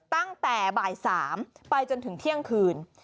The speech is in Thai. ตั้งแต่บ่าย๓ไปจนถึงเที่ยงคืน